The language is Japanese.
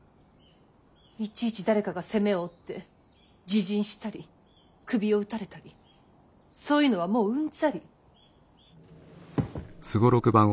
いちいち誰かが責めを負って自刃したり首を打たれたりそういうのはもううんざり。